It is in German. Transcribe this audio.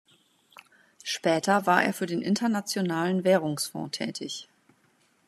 Später war er für den Internationalen Währungsfonds tätig.